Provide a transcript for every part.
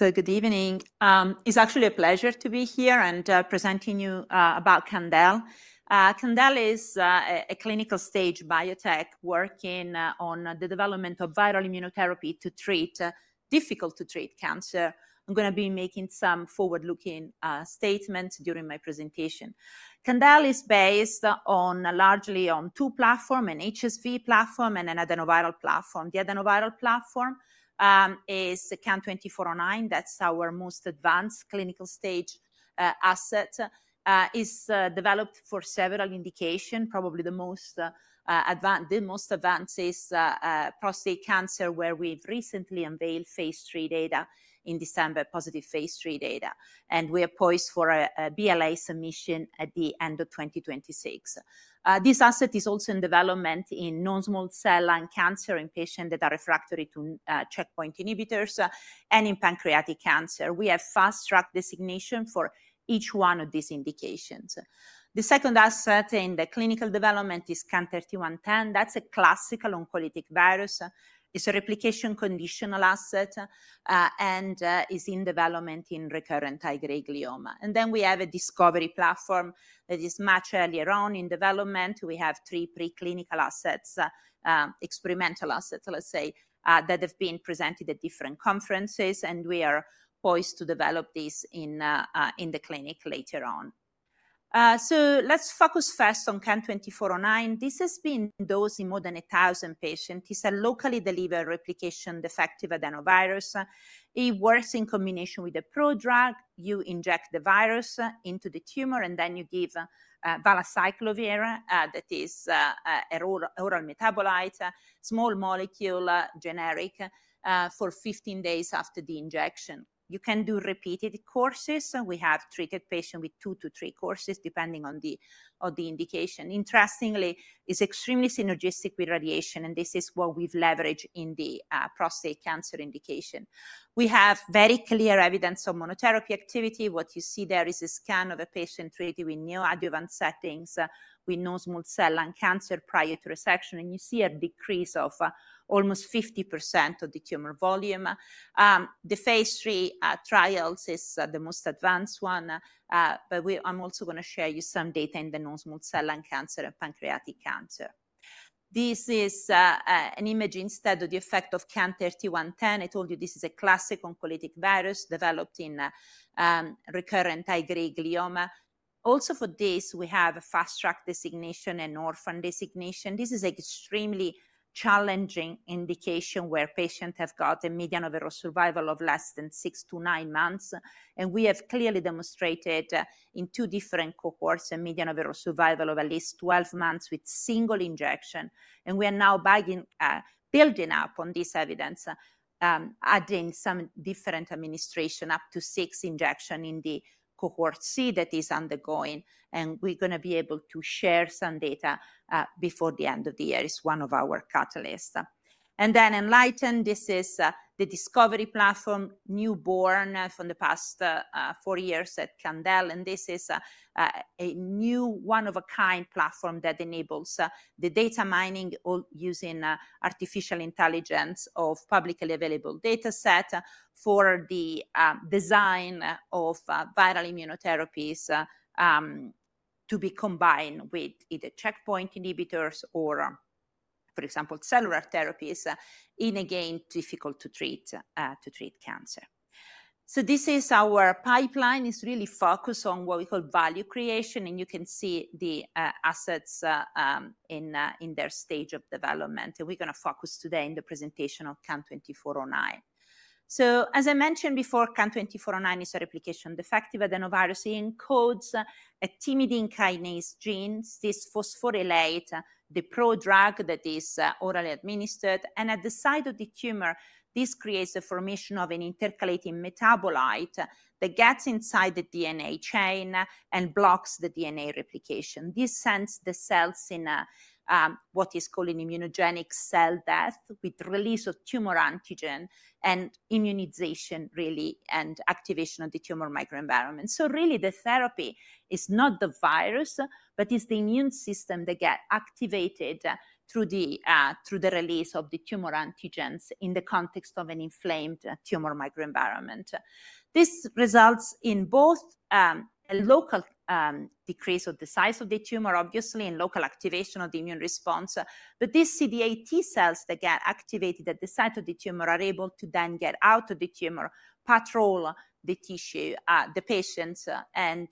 Good evening. It's actually a pleasure to be here and presenting you about Candel. Candel is a clinical-stage biotech working on the development of Viral immunotherapy to treat difficult-to-treat cancer. I'm going to be making some forward-looking statements during my presentation. Candel is based largely on two platforms: an HSV platform and an Adenoviral platform. The Adenoviral platform is CAN-2409. That's our most advanced clinical-stage asset. It's developed for several indications. Probably the most advanced is prostate cancer, where we've recently unveiled phase III data in December, positive phase III data. We are poised for a BLA submission at the end of 2026. This asset is also in development in non-small cell lung cancer in patients that are refractory to Checkpoint inhibitors and in pancreatic cancer. We have fast-track designation for each one of these indications. The second asset in the clinical development is CAN-3110.That's a classical oncolytic virus. It's a replication-conditional asset and is in development in recurrent high-grade glioma. We have a discovery platform that is much earlier on in development. We have three preclinical assets, experimental assets, let's say, that have been presented at different conferences. We are poised to develop these in the clinic later on. Let's focus first on CAN-2409. This has been dosed in more than 1,000 patients. It's a locally delivered replication-defective adenovirus. It works in combination with a Pro drug. You inject the virus into the tumor, and then you give Valacyclovir, that is an oral metabolite, small molecule, generic, for 15 days after the injection. You can do repeated courses. We have treated patients with two to three courses, depending on the indication. Interestingly, it's extremely synergistic with radiation. This is what we've leveraged in the prostate cancer indication. We have very clear evidence of monotherapy activity. What you see there is a scan of a patient treated in neoadjuvant settings with non-small cell lung cancer prior to resection. You see a decrease of almost 50% of the tumor volume. The phase III trial is the most advanced one. I'm also going to share with you some data in the non-small cell lung cancer and pancreatic cancer. This is an image instead of the effect of CAN-3110. I told you this is a classic oncolytic virus developed in recurrent high-grade glioma. Also for this, we have a fast-track designation and orphan designation. This is an extremely challenging indication where patients have a median overall survival of less than six to nine months. We have clearly demonstrated in two different cohorts a median overall survival of at least 12 months with single injection. We are now building up on this evidence, adding some different administration up to six injections in the cohort C that is undergoing. We are going to be able to share some data before the end of the year as one of our catalysts. Enlighten, this is the discovery platform, newborn from the past four years at Candel. This is a new one-of-a-kind platform that enables the data mining using artificial intelligence of publicly available data set for the design of Viral immunotherapies to be combined with either Checkpoint inhibitors or, for example, cellular therapies in, again, difficult-to-treat cancer. This is our pipeline. It is really focused on what we call value creation. You can see the assets in their stage of development. We're going to focus today in the presentation on CAN-2409. As I mentioned before, CAN-2409 is a replication defective adenovirus. It encodes a thymidine kinase gene. This phosphorylates the Pro drug that is orally administered. At the site of the tumor, this creates a formation of an intercalating metabolite that gets inside the DNA chain and blocks the DNA replication. This sends the cells in what is called an immunogenic cell death with release of tumor antigen and immunization, really, and activation of the tumor microenvironment. Really, the therapy is not the virus, but it's the immune system that gets activated through the release of the tumor antigens in the context of an inflamed tumor microenvironment. This results in both a local decrease of the size of the tumor, obviously, and local activation of the immune response. These CD8 T cells that get activated at the site of the tumor are able to then get out of the tumor, patrol the tissue, the patients, and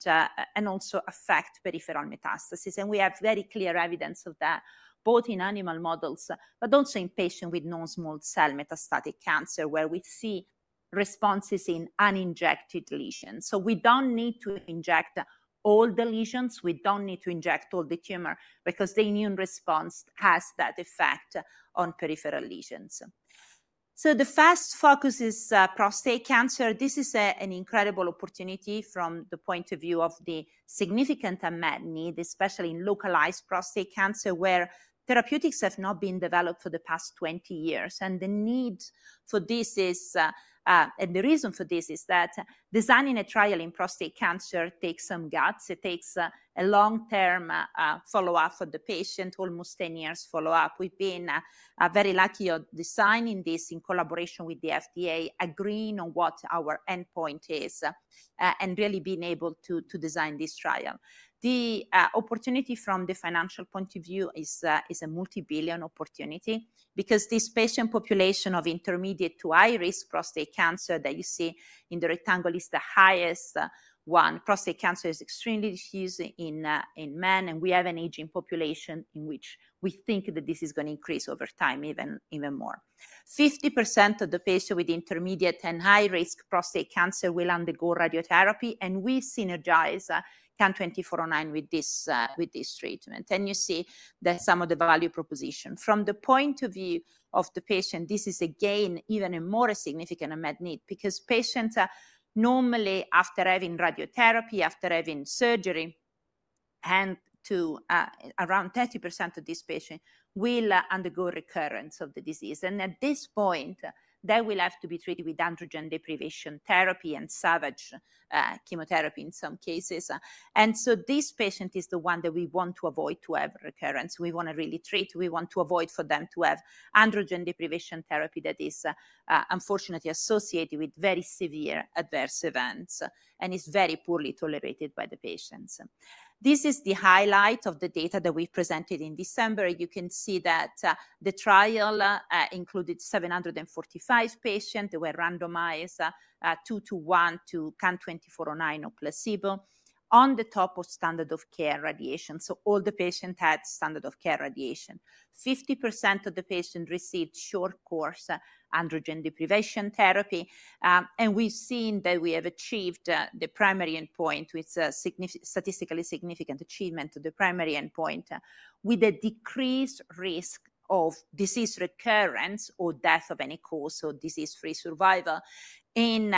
also affect peripheral metastases. We have very clear evidence of that both in animal models, but also in patients with non-small cell metastatic cancer, where we see responses in uninjected lesions. We do not need to inject all the lesions. We do not need to inject all the tumor because the immune response has that effect on peripheral lesions. The first focus is prostate cancer. This is an incredible opportunity from the point of view of the significant amount of need, especially in localized prostate cancer, where therapeutics have not been developed for the past 20 years. The need for this is, and the reason for this is that designing a trial in prostate cancer takes some guts.It takes a long-term follow-up for the patient, almost 10 years follow-up. We've been very lucky at designing this in collaboration with the FDA, agreeing on what our endpoint is, and really being able to design this trial. The opportunity from the financial point of view is a multi-billion opportunity because this patient population of intermediate to high-risk prostate cancer that you see in the rectangle is the highest one. Prostate cancer is extremely diffused in men. We have an aging population in which we think that this is going to increase over time even more. 50% of the patients with intermediate and high-risk prostate cancer will undergo Radiation therapy. We synergize CAN-2409 with this treatment. You see that some of the value proposition. From the point of view of the patient, this is, again, even a more significant amount need because patients normally, after having Radiation therapy, after having surgery, and around 30% of these patients will undergo recurrence of the disease. At this point, they will have to be treated with Androgen deprivation therapy and Salvage chemotherapy in some cases. This patient is the one that we want to avoid to have recurrence. We want to really treat. We want to avoid for them to have Androgen deprivation therapy that is, unfortunately, associated with very severe adverse events and is very poorly tolerated by the patients. This is the highlight of the data that we presented in December. You can see that the trial included 745 patients. They were randomized two to one to CAN-2409 or placebo on the top of standard of care radiation. All the patients had standard of care radiation. 50% of the patients received short course androgen deprivation therapy. We have seen that we have achieved the primary endpoint with statistically significant achievement of the primary endpoint with a decreased risk of disease recurrence or death of any cause or Disease-free survival in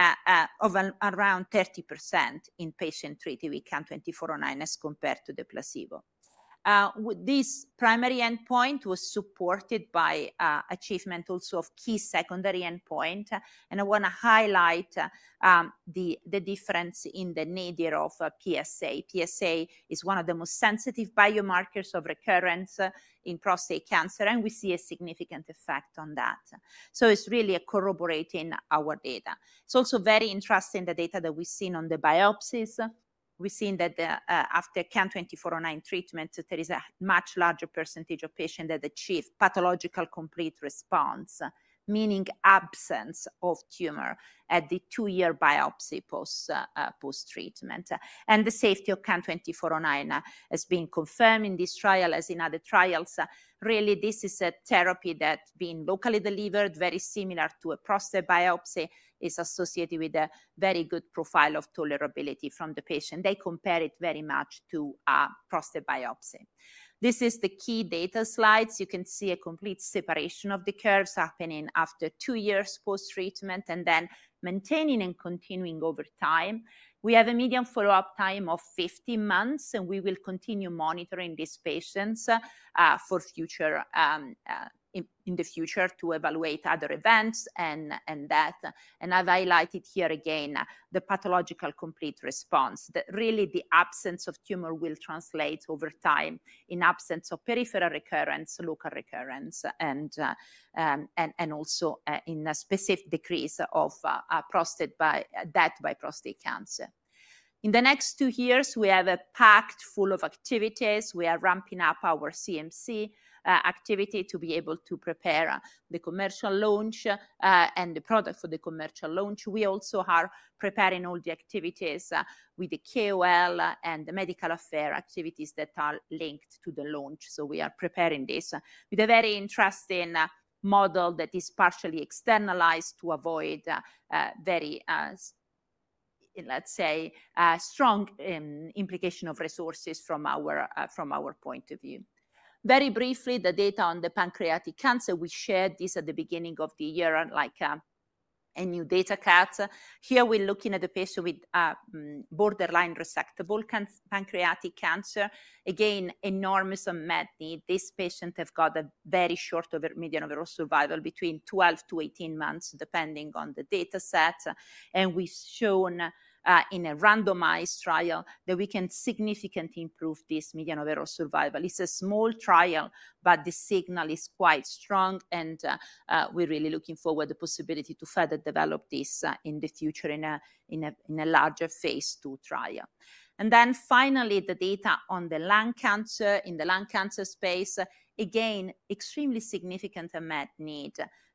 around 30% in patients treated with CAN-2409 as compared to the placebo. This primary endpoint was supported by achievement also of key secondary endpoint. I want to highlight the difference in the nadir of PSA. PSA is one of the most sensitive biomarkers of recurrence in prostate cancer. We see a significant effect on that. It is really corroborating our data. It is also very interesting, the data that we have seen on the biopsies. We've seen that after CAN-2409 treatment, there is a much larger percentage of patients that achieve pathological complete response, meaning absence of tumor at the two-year biopsy post-treatment. The safety of CAN-2409 has been confirmed in this trial as in other trials. Really, this is a therapy that, being locally delivered, very similar to a prostate biopsy, is associated with a very good profile of tolerability from the patient. They compare it very much to a prostate biopsy. This is the key data slides. You can see a complete separation of the curves happening after two years post-treatment and then maintaining and continuing over time. We have a median follow-up time of 15 months. We will continue monitoring these patients in the future to evaluate other events and that. I have highlighted here again the pathological complete response. Really, the absence of tumor will translate over time in absence of peripheral recurrence, local recurrence, and also in a specific decrease of death by prostate cancer. In the next two years, we have a packed full of activities. We are ramping up our CMC activity to be able to prepare the commercial launch and the product for the commercial launch. We also are preparing all the activities with the KOL and the medical affair activities that are linked to the launch. We are preparing this with a very interesting model that is partially externalized to avoid very, let's say, strong implication of resources from our point of view. Very briefly, the data on the pancreatic cancer, we shared this at the beginning of the year like a new data cut. Here, we're looking at a patient with borderline resectable pancreatic cancer. Again, enormous amount need. These patients have got a very short median overall survival between 12-18 months, depending on the data set. We have shown in a randomized trial that we can significantly improve this median overall survival. It is a small trial, but the signal is quite strong. We are really looking forward to the possibility to further develop this in the future in a larger phase II trial. Finally, the data on the lung cancer in the lung cancer space, again, extremely significant amount need.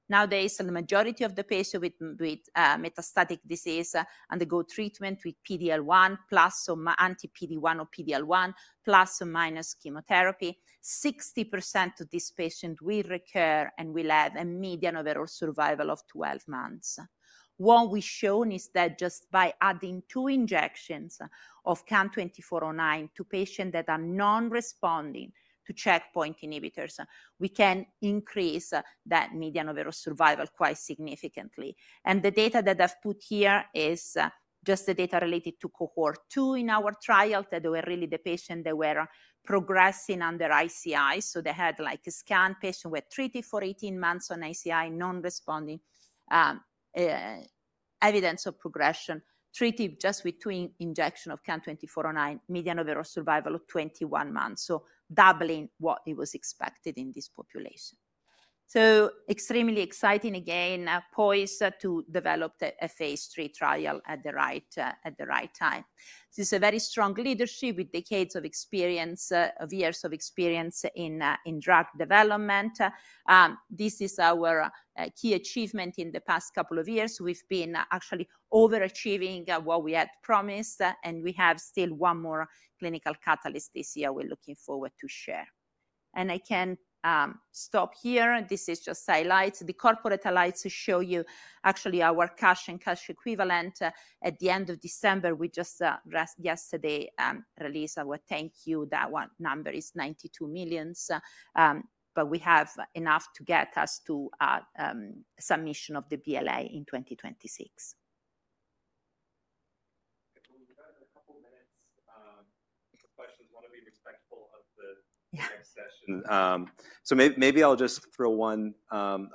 Nowadays, the majority of the patients with metastatic disease undergo treatment with PD-L1 plus or Anti-PD-1 or PD-L1 plus or minus chemotherapy. 60% of these patients will recur and will have a median overall survival of 12 months. What we've shown is that just by adding two injections of CAN-2409 to patients that are non-responding to Checkpoint inhibitors, we can increase that median overall survival quite significantly. The data that I've put here is just the data related to cohort two in our trial that were really the patients that were progressing under ICI. They had like a scan patient who were treated for 18 months on ICI, non-responding, evidence of progression, treated just with two injections of CAN-2409, median overall survival of 21 months. Doubling what was expected in this population. Extremely exciting, again, poised to develop a phase III trial at the right time. This is a very strong leadership with decades of experience, of years of experience in drug development. This is our key achievement in the past couple of years. We've been actually overachieving what we had promised. We have still one more clinical catalyst this year we're looking forward to share. I can stop here. This is just highlights. The corporate highlights show you actually our cash and cash equivalent. At the end of December, we just yesterday released our thank you. That number is $92 million. We have enough to get us to submission of the BLA in 2026. We've got a couple of minutes. Questions, want to be respectful of the next session. Maybe I'll just throw one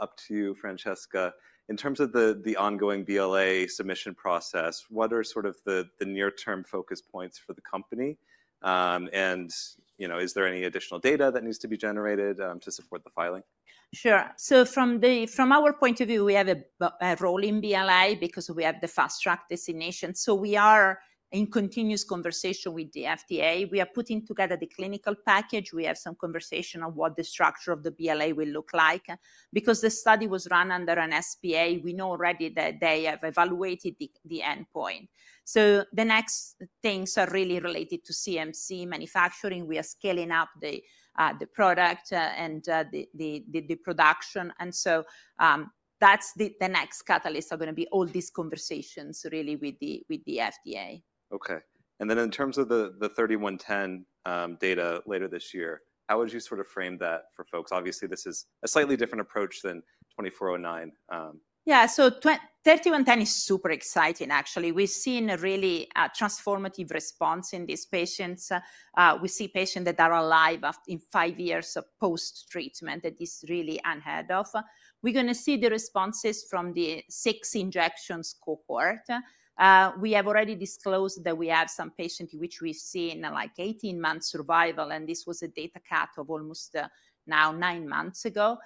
up to you, Francesca. In terms of the ongoing BLA submission process, what are sort of the near-term focus points for the company? Is there any additional data that needs to be generated to support the filing? Sure. So from our point of view, we have a role in BLA because we have the fast-track designation. We are in continuous conversation with the FDA. We are putting together the clinical package. We have some conversation on what the structure of the BLA will look like. Because the study was run under an SPA, we know already that they have evaluated the endpoint. The next things are really related to CMC manufacturing. We are scaling up the product and the production. That is the next catalyst, all these conversations really with the FDA. OK. In terms of the 3110 data later this year, how would you sort of frame that for folks? Obviously, this is a slightly different approach than 2409. Yeah. So 3110 is super exciting, actually. We've seen a really transformative response in these patients. We see patients that are alive in five years of post-treatment. That is really unheard of. We're going to see the responses from the six injections cohort. We have already disclosed that we have some patients which we've seen like 18 months survival. This was a data cut of almost now nine months ago.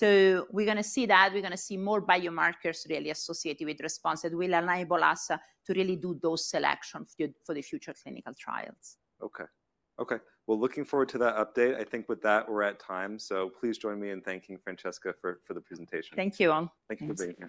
We're going to see that. We're going to see more biomarkers really associated with response that will enable us to really do those selections for the future clinical trials. OK. OK. Looking forward to that update. I think with that, we're at time. Please join me in thanking Francesca for the presentation. Thank you. Thank you for being.